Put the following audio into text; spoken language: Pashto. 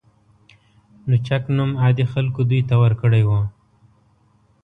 لوچک نوم عادي خلکو دوی ته ورکړی و.